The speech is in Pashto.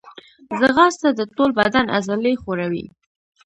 ځغاسته د ټول بدن عضلې ښوروي